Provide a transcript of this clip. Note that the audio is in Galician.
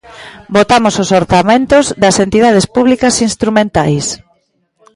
Votamos os orzamentos das entidades públicas instrumentais.